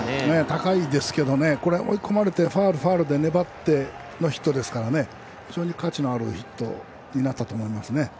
高いですけど追い込まれてファウル、ファウルで粘ってのヒットですから非常に価値のあるヒットになったと思いますね。